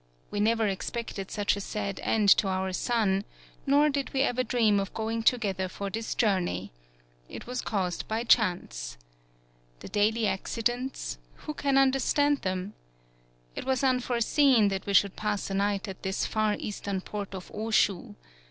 We never expected such a sad end to our son, nor did we ever dream of going together for this jour ney. It was caused by chance. The 138 TSUGARU STRAIT daily accidents, who can understand them? It was unforeseen that we should pass a night at this far eastern port of Oshu.